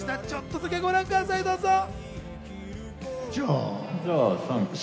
ちょっとだけご覧ください、どうぞ。